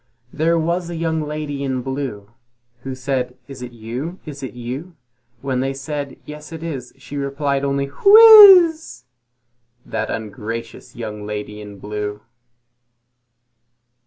There was a young lady in blue, Who said, "Is it you? Is it you?" When they said, "Yes, it is," she replied only, "Whizz!" That ungracious young lady in blue.